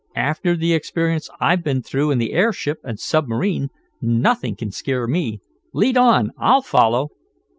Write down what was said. "After the experience I've been through in the airship and submarine, nothing can scare me. Lead on, I'll follow!"